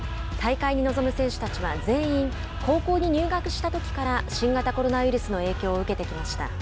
大会に臨む選手たちは全員高校に入学したときから新型コロナウイルスの影響を受けてきました。